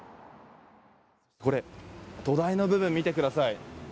これ、土台の部分見てください。